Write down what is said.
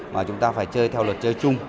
mà chúng ta phải chơi theo luật chơi chung